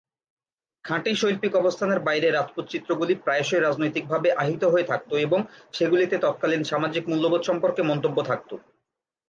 খাঁটি শৈল্পিক অবস্থানের বাইরে, রাজপুত চিত্রগুলি প্রায়শই রাজনৈতিকভাবে আহিত হয়ে থাকত এবং সেগুলিতে তৎকালীন সামাজিক মূল্যবোধ সম্পর্কে মন্তব্য থাকত।